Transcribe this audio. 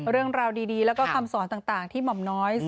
เรื่องราวดีแล้วก็คำสอนต่างที่หม่อมน้อย